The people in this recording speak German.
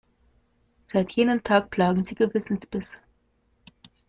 Seit jenem Tag plagen sie Gewissensbisse.